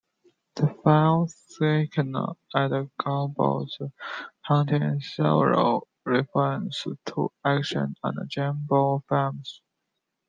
The final scene at Globex contains several references to action and "James Bond" films.